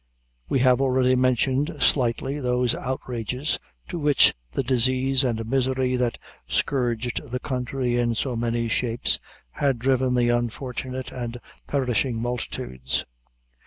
We have already mentioned slightly, those outrages, to which the disease and misery that scourged the country in so many shapes had driven the unfortunate and perishing multitudes.